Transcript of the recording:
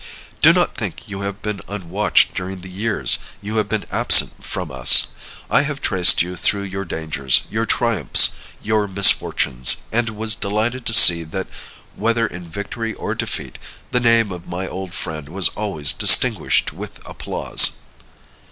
Do not think you have been unwatched during the years you have been absent from us. I have traced you through your dangers, your triumphs, your misfortunes, and was delighted to see that, whether in victory or defeat, the name of my old friend was always distinguished with applause."